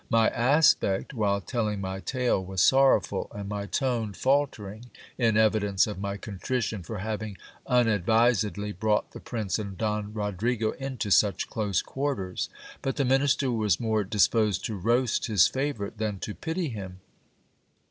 My aspect, while telling my tale, was sorrowful, and my tone faltering, in evidence of my contrition for having unadvisedly brought the prince and Don Rodrigo into such close quarters ; but the minister was more disposed to roast his favourite than to pity him.